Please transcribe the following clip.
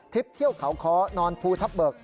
เที่ยวเขาค้อนอนภูทับเบิก